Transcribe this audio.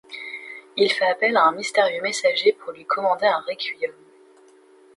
Il fait appel à un mystérieux messager pour lui commander un requiem.